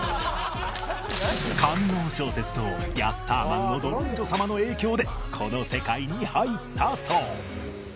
官能小説と『ヤッターマン』のドロンジョ様の影響でこの世界に入ったそう